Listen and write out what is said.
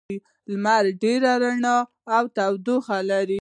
لمر ډېره رڼا او تودوخه لري.